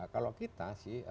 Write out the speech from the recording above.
kalau kita sih